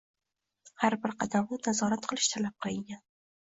har bir qadamini nazorat qilish talab qilingan